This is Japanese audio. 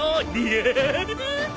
グハハハ！